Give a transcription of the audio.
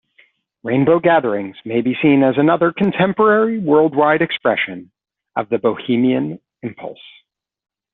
Rainbow Gatherings may be seen as another contemporary worldwide expression of the bohemian impulse.